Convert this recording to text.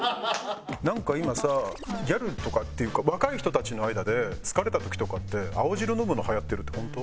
なんか今さギャルとかっていうか若い人たちの間で疲れた時とかって青汁飲むのはやってるって本当？